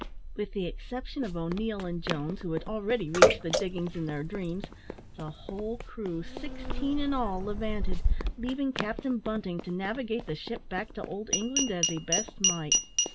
With the exception of O'Neil and Jones, who had already reached the diggings in their dreams, the whole crew, sixteen in all, levanted, leaving Captain Bunting to navigate the ship back to Old England as he best might.